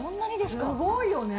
すごいよね。